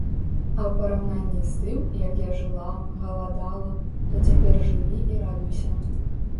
А ў параўнанні з тым, як я жыла, галадала, то цяпер жыві і радуйся.